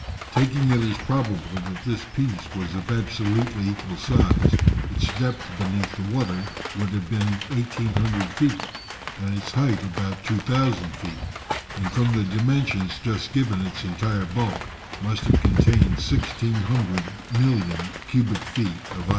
"Taking it as probable, that this piece was of absolutely equal size, its depth beneath the water, would have been 1800 feet, and its height about 2000 feet, and from the dimensions just given its entire bulk must have contained 1600 million cubic feet of ice."